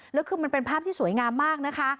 แล้วคือมันเป็นภาพที่สวยงามมากนะคะ